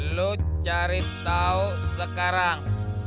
lo cari tau sekarang